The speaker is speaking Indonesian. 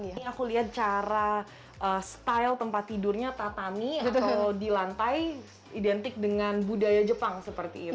ini aku lihat cara style tempat tidurnya tatami atau di lantai identik dengan budaya jepang seperti itu